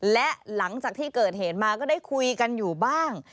และหลังจากที่เกิดเหตุมาก็ได้คุยกันอยู่บ้าง